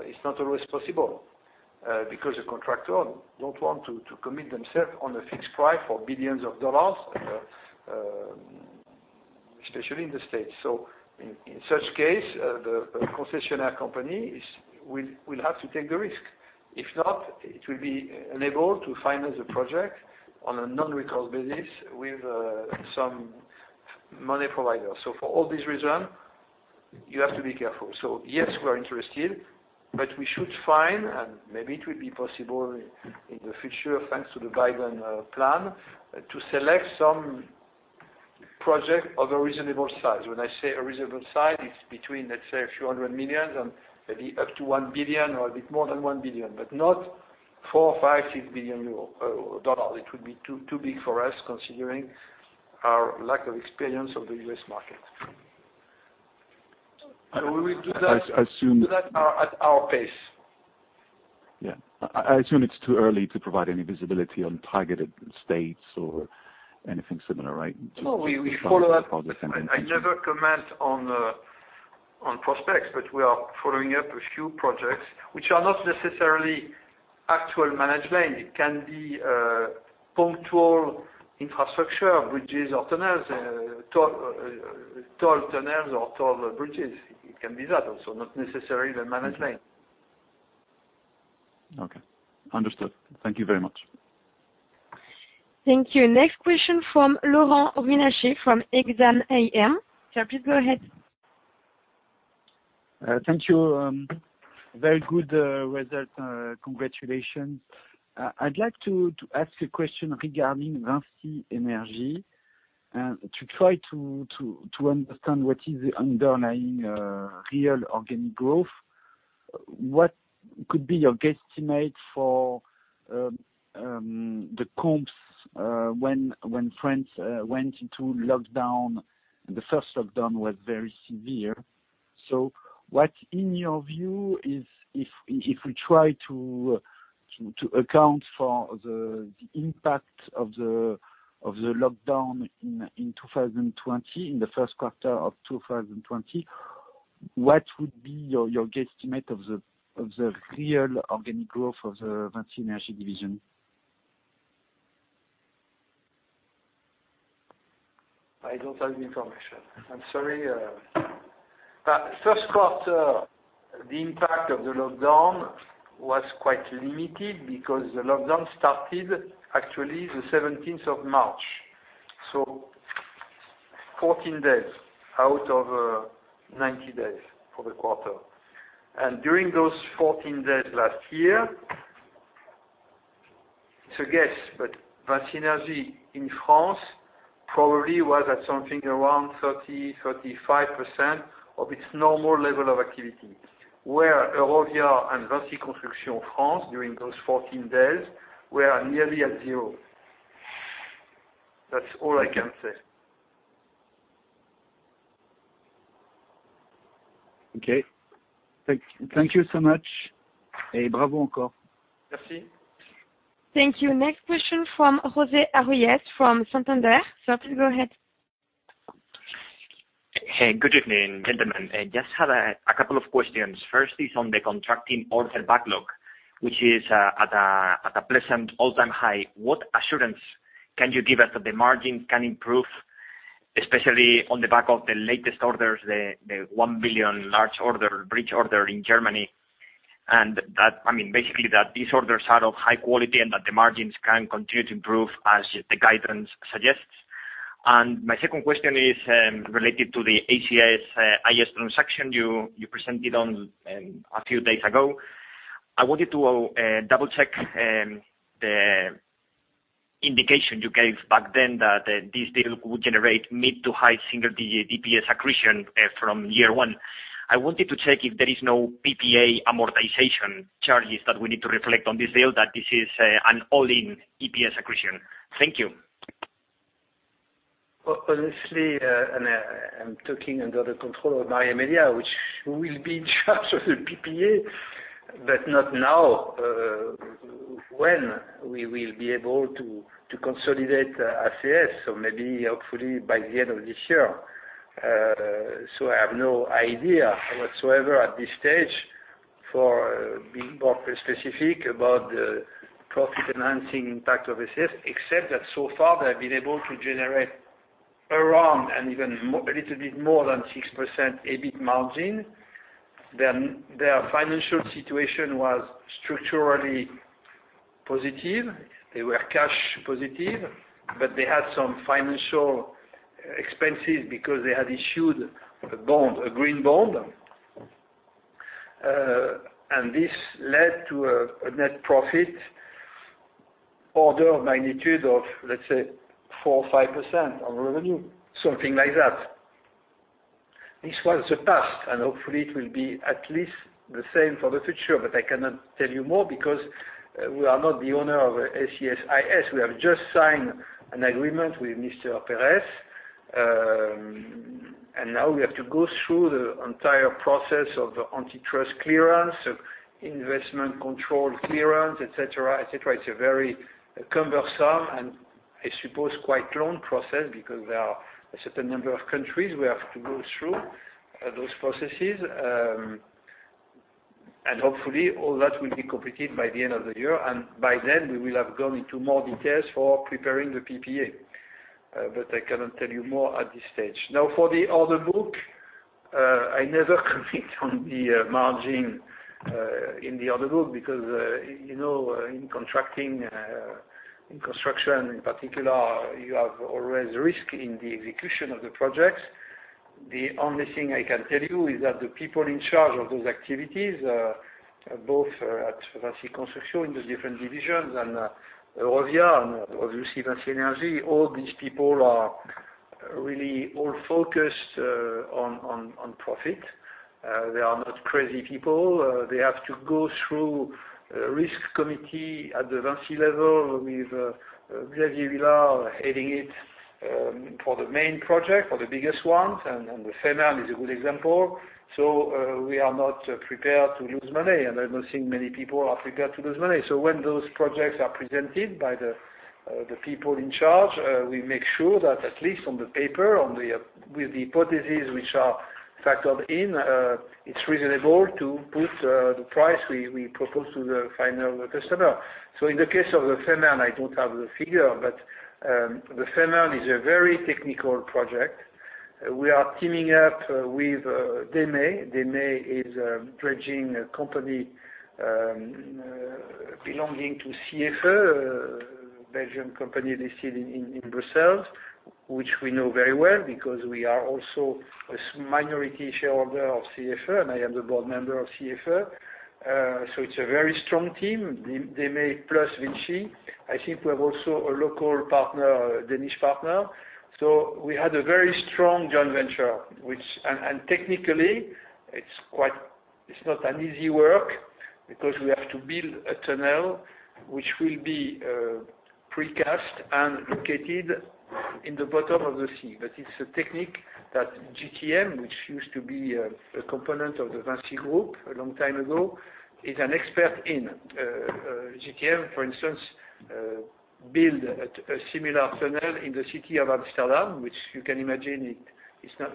It's not always possible, because the contractor don't want to commit themselves on a fixed price for EUR billions, especially in the States. In such case, the concessionaire company will have to take the risk. If not, it will be unable to finance the project on a non-recourse basis with some money provider. For all these reasons, you have to be careful. Yes, we are interested, but we should find, and maybe it will be possible in the future, thanks to the Biden plan, to select some project of a reasonable size. When I say a reasonable size, it's between, let's say, a few hundred millions and maybe up to $1 billion or a bit more than $1 billion, but not $4 or $5, $6 billion. It would be too big for us, considering our lack of experience of the U.S. market. We will do that at our pace. Yeah. I assume it's too early to provide any visibility on targeted states or anything similar, right? No, we follow up. I never comment on prospects, but we are following up a few projects, which are not necessarily actual management. It can be punctual infrastructure, bridges or tunnels, toll tunnels or toll bridges. It can be that also, not necessarily the management. Okay. Understood. Thank you very much. Thank you. Next question from Laurent Coutanceau of Exane AM. Sir, please go ahead. Thank you. Very good results. Congratulations. I'd like to ask a question regarding VINCI Energies, to try to understand what is the underlying real organic growth. What could be your guesstimate for the comps when France went into lockdown, and the first lockdown was very severe. What, in your view, if we try to account for the impact of the lockdown in 2020, in the first quarter of 2020, what would be your guesstimate of the real organic growth of the VINCI Energies division? I don't have the information. I'm sorry. First quarter, the impact of the lockdown was quite limited because the lockdown started actually the 17th of March, so 14 days out of 90 days for the quarter. During those 14 days last year, it's a guess, but VINCI Energies in France probably was at something around 30%, 35% of its normal level of activity, where Eurovia and VINCI Construction France during those 14 days were nearly at zero. That's all I can say. Okay. Thank you so much. Thank you. Next question from José Arroyas from Santander. Sir, please go ahead. Hey, good evening, gentlemen. I just have a couple of questions. First is on the contracting order backlog, which is at a pleasant all-time high. What assurance can you give us that the margin can improve, especially on the back of the latest orders, the 1 billion large order, bridge order in Germany, and basically, that these orders are of high quality and that the margins can continue to improve as the guidance suggests? My second question is related to the Cobra IS transaction you presented on a few days ago. I wanted to double-check the indication you gave back then that this deal would generate mid to high single-digit EPS accretion from year one. I wanted to check if there is no PPA amortization charges that we need to reflect on this deal, that this is an all-in EPS accretion. Thank you. Honestly, and I'm talking under the control of Marie-Amélia, which will be in charge of the PPA, but not now, when we will be able to consolidate ACS, so maybe hopefully by the end of this year. I have no idea whatsoever at this stage for being more specific about the profit enhancing impact of ACS, except that so far, they have been able to generate around, and even a little bit more than 6% EBIT margin. Their financial situation was structurally positive. They were cash positive, but they had some financial expenses because they had issued a bond, a green bond, and this led to a net profit order of magnitude of, let's say, 4% or 5% on revenue, something like that. This was the past, and hopefully, it will be at least the same for the future. I cannot tell you more because we are not the owner of ACS IS. We have just signed an agreement with Mr. Pérez, and now we have to go through the entire process of the antitrust clearance, of investment control clearance, et cetera. It's a very cumbersome, and I suppose quite long process because there are a certain number of countries we have to go through those processes. Hopefully all that will be completed by the end of the year, and by then we will have gone into more details for preparing the PPA. I cannot tell you more at this stage. Now, for the order book, I never comment on the margin in the order book because, in contracting, in construction in particular, you have always risk in the execution of the projects. The only thing I can tell you is that the people in charge of those activities, both at VINCI Construction in the different divisions and Eurovia and obviously VINCI Energies, all these people are really all focused on profit. They are not crazy people. They have to go through a risk committee at the VINCI level with Xavier Huillard heading it for the main project, for the biggest ones, and the Fehmarn is a good example. We are not prepared to lose money, and I don't think many people are prepared to lose money. When those projects are presented by the people in charge, we make sure that at least on the paper, with the hypotheses which are factored in, it's reasonable to put the price we propose to the final customer. In the case of the Fehmarn, I don't have the figure, the Fehmarn is a very technical project. We are teaming up with DEME. DEME is a dredging company belonging to CFE, a Belgian company listed in Brussels, which we know very well because we are also a minority shareholder of CFE, and I am the board member of CFE. It's a very strong team, DEME plus VINCI. I think we have also a local partner, a Danish partner. We had a very strong joint venture. Technically, it's not an easy work because we have to build a tunnel which will be precast and located in the bottom of the sea. It's a technique that GTM, which used to be a component of the VINCI Group a long time ago, is an expert in. GTM, for instance, built a similar tunnel in the city of Amsterdam, which you can imagine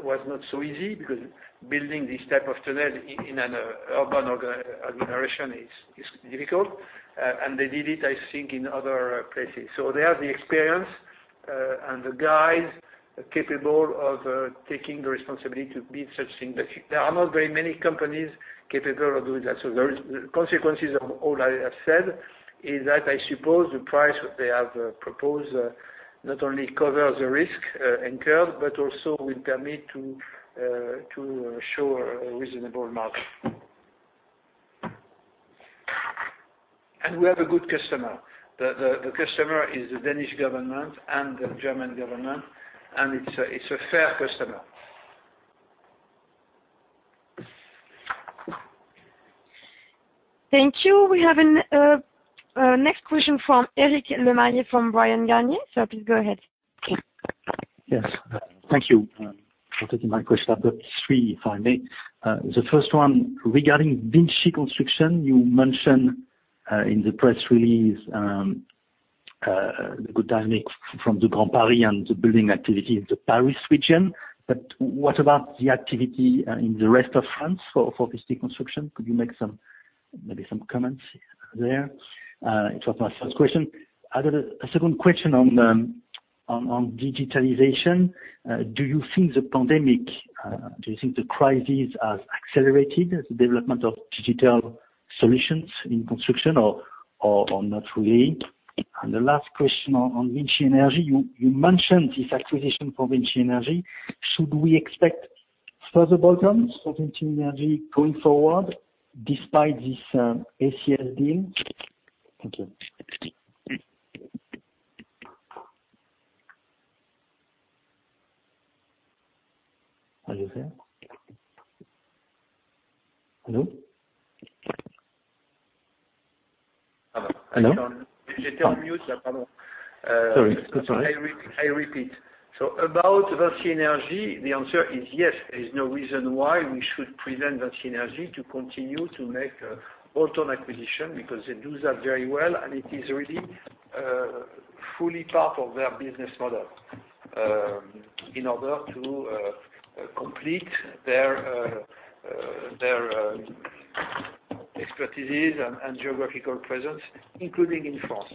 was not so easy because building this type of tunnel in an urban administration is difficult. They did it, I think, in other places. They have the experience and the guys capable of taking the responsibility to build such things. There are not very many companies capable of doing that. The consequences of all I have said is that I suppose the price that they have proposed not only covers the risk incurred but also will permit to show a reasonable margin. We have a good customer. The customer is the Danish government and the German government, and it's a fair customer. Thank you. We have our next question from Eric Lemarié from Bryan, Garnier. Please go ahead. Yes. Thank you for taking my question. I've got three, if I may. The first one, regarding VINCI Construction, you mentioned in the press release the good dynamic from the Grand Paris and the building activity in the Paris region. What about the activity in the rest of France for VINCI Construction? Could you make maybe some comments there? It was my first question. I got a second question on digitalization. Do you think the pandemic, the crisis has accelerated the development of digital solutions in construction or not really? The last question on VINCI Energies. You mentioned this acquisition for VINCI Energies. Should we expect further bolt-ons for VINCI Energies going forward despite this ACS deal? Thank you. About VINCI Energies, the answer is yes. There's no reason why we should prevent VINCI Energies to continue to make bolt-on acquisition because they do that very well, and it is really fully part of their business model in order to complete their expertises and geographical presence, including in France.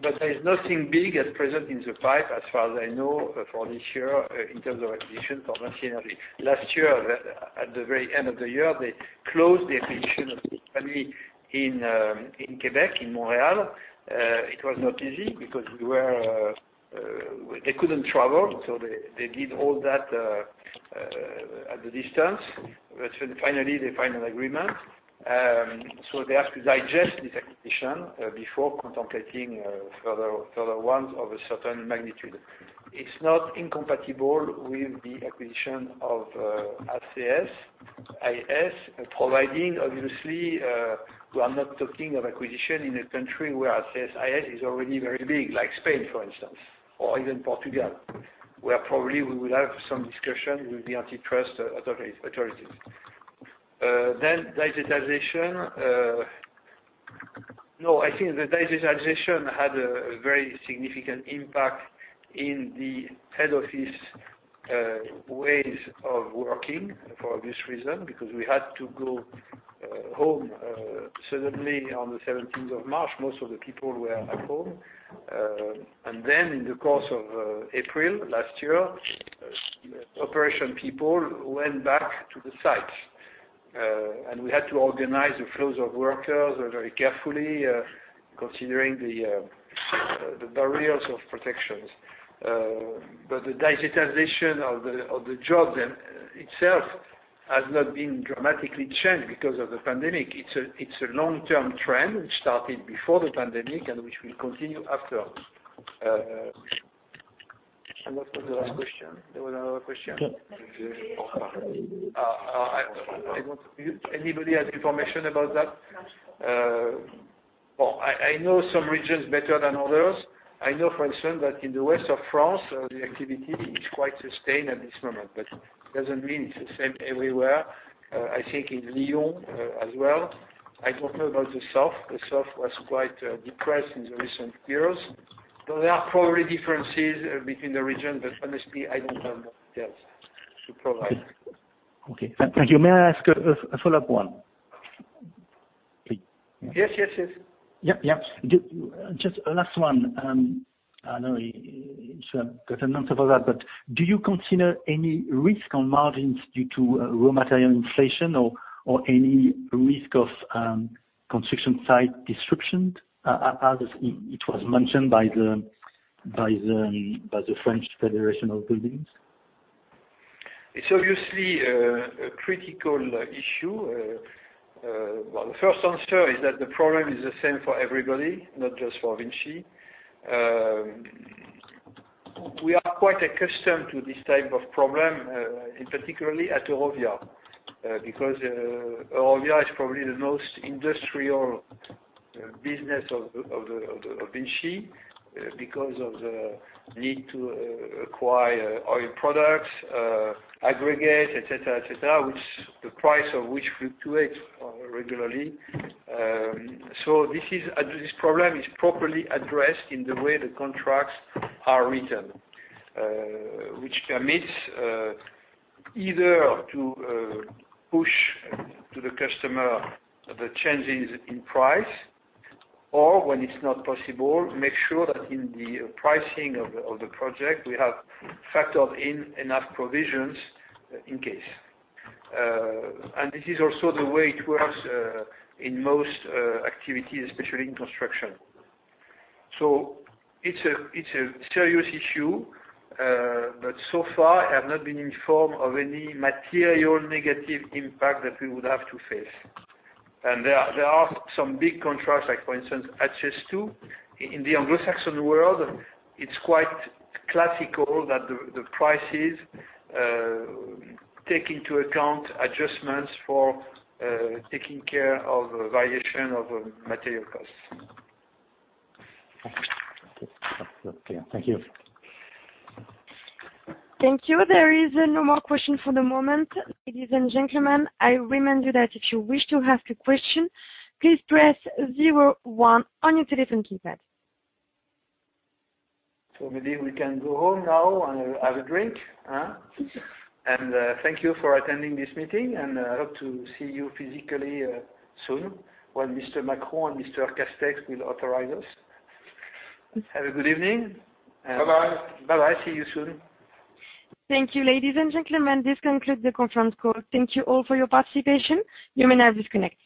There is nothing big at present in the pipe as far as I know for this year in terms of acquisition for VINCI Energies. Last year, at the very end of the year, they closed the acquisition of TCI in Quebec, in Montreal. It was not easy because they couldn't travel, so they did all that at the distance. Finally, they find an agreement. They have to digest this acquisition before contemplating further ones of a certain magnitude. It's not incompatible with the acquisition of Cobra IS, providing, obviously, we are not talking of acquisition in a country where Cobra IS is already very big, like Spain, for instance, or even Portugal, where probably we will have some discussion with the antitrust authorities. Digitalization. No, I think the digitization had a very significant impact in the head office ways of working for obvious reason, because we had to go home suddenly on the 17th of March, most of the people were at home. In the course of April last year, operation people went back to the site, and we had to organize the flows of workers very carefully considering the barriers of protections. The digitization of the job itself has not been dramatically changed because of the pandemic. It's a long-term trend, which started before the pandemic, and which will continue after. Anybody has information about that? Well, I know some regions better than others. I know, for instance, that in the west of France, the activity is quite sustained at this moment, but it doesn't mean it's the same everywhere. I think in Lyon as well. I don't know about the south. The south was quite depressed in the recent years. There are probably differences between the regions, but honestly, I don't have more details to provide. Okay. Thank you. May I ask a follow-up one, please? Yes. Yep. Just last one. I know it's a bit on top of that, but do you consider any risk on margins due to raw material inflation or any risk of construction site disruption as it was mentioned by the Fédération Française du Bâtiment? It's obviously a critical issue. The first answer is that the problem is the same for everybody, not just for VINCI. We are quite accustomed to this type of problem, in particularly at Eurovia. Because Eurovia is probably the most industrial business of VINCI because of the need to acquire oil products, aggregate, et cetera. Which the price of which fluctuates regularly. This problem is properly addressed in the way the contracts are written, which permits either to push to the customer the changes in price or when it's not possible, make sure that in the pricing of the project, we have factored in enough provisions in case. This is also the way it works in most activities, especially in construction. So far, I have not been informed of any material negative impact that we would have to face. There are some big contracts like, for instance, HS2. In the Anglo-Saxon world, it's quite classical that the prices take into account adjustments for taking care of variation of material costs. Okay. Thank you. Thank you. There is no more question for the moment. Ladies and gentlemen, I remind you that if you wish to ask a question, please press zero one on your telephone keypad. Maybe we can go home now and have a drink. Huh? Thank you for attending this meeting, and I hope to see you physically soon when Mr. Macron and Mr. Castex will authorize us. Have a good evening. Bye-bye. See you soon. Thank you, ladies and gentlemen. This concludes the conference call. Thank you all for your participation. You may now disconnect.